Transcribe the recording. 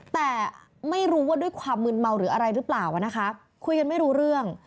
แต่ไม่รู้ว่าด้วยความมืนเมาหรืออะไรหรือเปล่านะคะคุยกันไม่รู้เรื่อง